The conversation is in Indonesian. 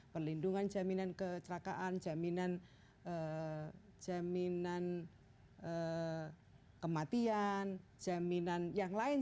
perlindungan jaminan kecelakaan jaminan kematian jaminan yang lain